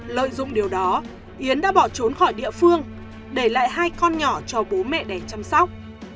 lợi dụng điều đó yến đã bỏ trốn khỏi địa phương để lại hai con nhỏ cho bố mẹ đèn chăm sóc